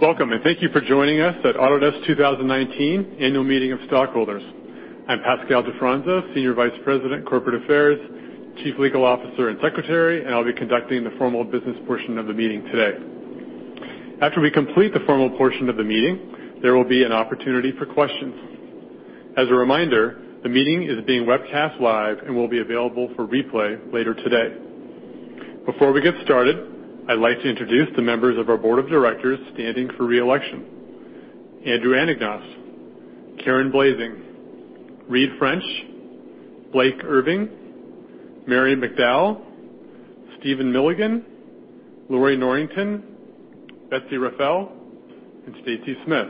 Welcome. Thank you for joining us at Autodesk 2019 Annual Meeting of Stockholders. I'm Pascal Di Fronzo, Senior Vice President, Corporate Affairs, Chief Legal Officer, and Secretary, and I'll be conducting the formal business portion of the meeting today. After we complete the formal portion of the meeting, there will be an opportunity for questions. As a reminder, the meeting is being webcast live and will be available for replay later today. Before we get started, I'd like to introduce the members of our Board of Directors standing for re-election. Andrew Anagnost, Karen Blasing, Reid French, Blake Irving, Mary McDowell, Stephen Milligan, Lorrie Norrington, Betsy Rafael, and Stacy Smith.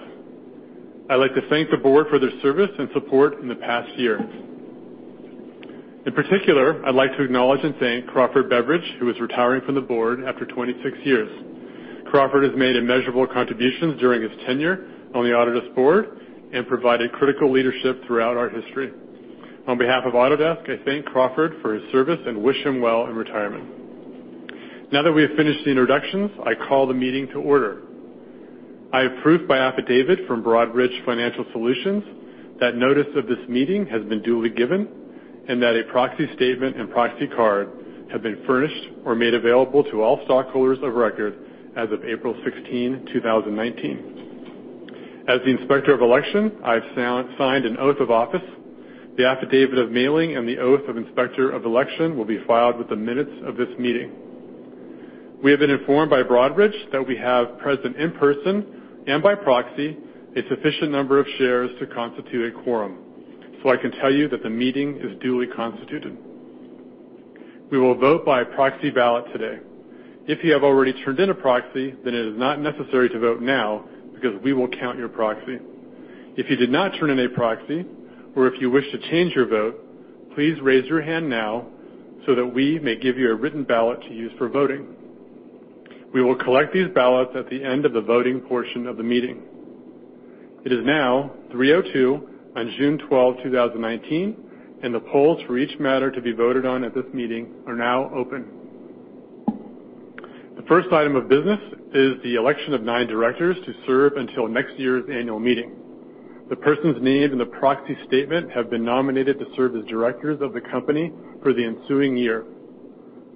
I'd like to thank the Board for their service and support in the past year. In particular, I'd like to acknowledge and thank Crawford Beveridge, who is retiring from the Board after 26 years. Crawford has made immeasurable contributions during his tenure on the Autodesk Board and provided critical leadership throughout our history. On behalf of Autodesk, I thank Crawford for his service and wish him well in retirement. Now that we have finished the introductions, I call the meeting to order. I have proof by affidavit from Broadridge Financial Solutions that notice of this meeting has been duly given, and that a proxy statement and proxy card have been furnished or made available to all stockholders of record as of April 16, 2019. As the Inspector of Election, I have signed an oath of office. The affidavit of mailing and the oath of Inspector of Election will be filed with the minutes of this meeting. We have been informed by Broadridge that we have present in person and by proxy a sufficient number of shares to constitute a quorum. I can tell you that the meeting is duly constituted. We will vote by proxy ballot today. If you have already turned in a proxy, then it is not necessary to vote now because we will count your proxy. If you did not turn in a proxy or if you wish to change your vote, please raise your hand now so that we may give you a written ballot to use for voting. We will collect these ballots at the end of the voting portion of the meeting. It is now 3:02 P.M. on June 12, 2019, and the polls for each matter to be voted on at this meeting are now open. The first item of business is the election of nine Directors to serve until next year's annual meeting. The persons named in the proxy statement have been nominated to serve as Directors of the company for the ensuing year.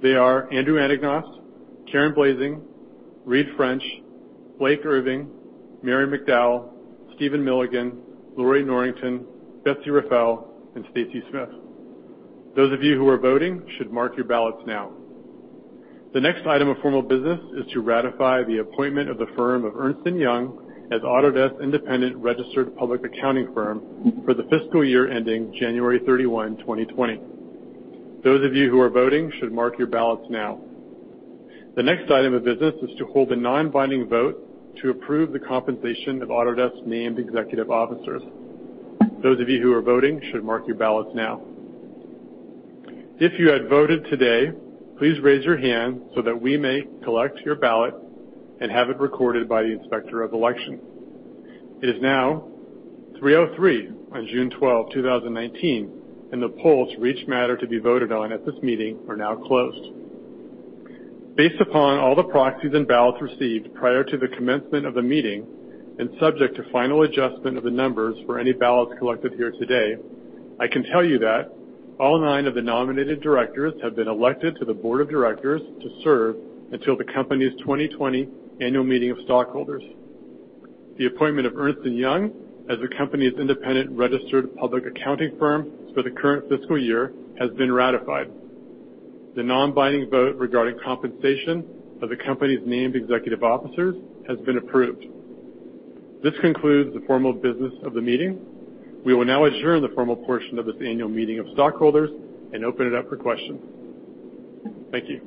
They are Andrew Anagnost, Karen Blasing, Reid French, Blake Irving, Mary McDowell, Stephen Milligan, Lorrie Norrington, Betsy Rafael, and Stacy Smith. Those of you who are voting should mark your ballots now. The next item of formal business is to ratify the appointment of the firm of Ernst & Young as Autodesk independent registered public accounting firm for the fiscal year ending January 31, 2020. Those of you who are voting should mark your ballots now. The next item of business is to hold a non-binding vote to approve the compensation of Autodesk named executive officers. Those of you who are voting should mark your ballots now. If you had voted today, please raise your hand so that we may collect your ballot and have it recorded by the Inspector of Election. It is now 3:03 on June 12, 2019, and the polls for each matter to be voted on at this meeting are now closed. Based upon all the proxies and ballots received prior to the commencement of the meeting and subject to final adjustment of the numbers for any ballots collected here today, I can tell you that all nine of the nominated directors have been elected to the board of directors to serve until the company's 2020 annual meeting of stockholders. The appointment of Ernst & Young as the company's independent registered public accounting firm for the current fiscal year has been ratified. The non-binding vote regarding compensation of the company's named executive officers has been approved. This concludes the formal business of the meeting. We will now adjourn the formal portion of this annual meeting of stockholders and open it up for questions. Thank you.